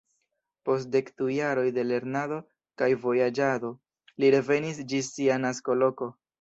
Post dek du jaroj de lernado kaj vojaĝado li revenis ĝis sia naskoloko.